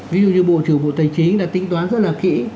ví dụ như bộ chủ tịch tài chính đã tính toán rất là kỹ